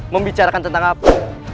membicarakan tentang apa